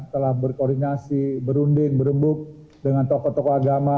telah berkoordinasi berunding berembuk dengan tokoh tokoh agama